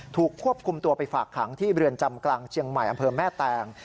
ถูกควบคุมตัวไปฝากขังที่เรือนจำกลางเชียงใหม่อำเภอแม่แตง